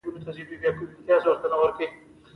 نرسې وویل: ضرور نه ده چې پوه شې، ستا لپاره ښه نه ده.